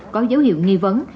có dấu hiệu nghi vấn